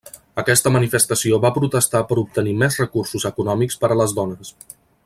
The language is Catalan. Aquesta manifestació va protestar per obtenir més recursos econòmics per a les dones.